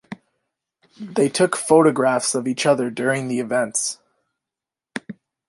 They took photographs of each other during the events.